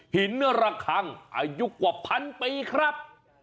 หินระคังอายุกว่าพันปีครับ